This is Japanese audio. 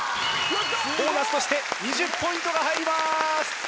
ボーナスとして２０ポイントが入ります。